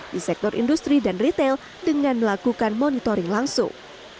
di sektor industri dan retail dengan melakukan monitoring langsung